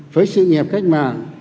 với sự nghiệp cách mạng